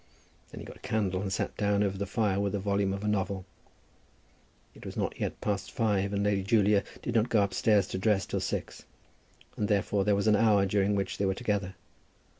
Then he got a candle and sat down over the fire with a volume of a novel. It was not yet past five, and Lady Julia did not go upstairs to dress till six, and therefore there was an hour during which they were together.